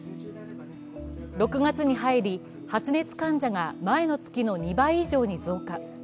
６月に入り、発熱患者が前の月の２倍以上に増加。